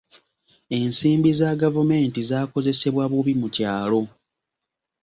Ensimbi za gavumenti zaakozesebwa bubi mu kyalo.